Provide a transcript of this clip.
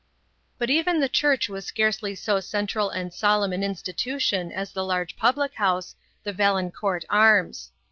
But even the church was scarcely so central and solemn an institution as the large public house, the Valencourt Arms.